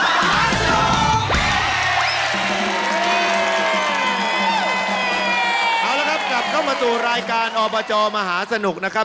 เอาละครับกลับเข้ามาสู่รายการอบจมหาสนุกนะครับ